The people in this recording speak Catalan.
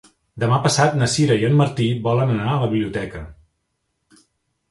Demà passat na Sira i en Martí volen anar a la biblioteca.